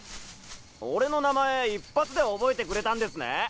俺の名前一発で覚えてくれたんですね！